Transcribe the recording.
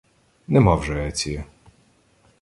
— Нема вже Еція.